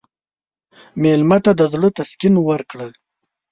مېلمه ته د زړه تسکین ورکړه.